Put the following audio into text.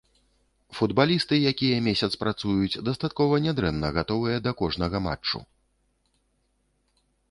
Футбалісты, якія месяц працуюць, дастаткова нядрэнна гатовыя да кожнага матчу.